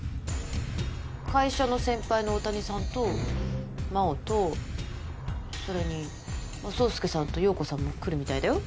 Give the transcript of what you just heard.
会社の先輩の大谷さんと真央とそれに宗介さんと葉子さんも来るみたいだよ。